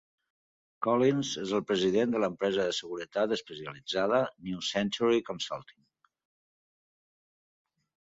Collins és el president de l'empresa de seguretat especialitzada New Century Consulting.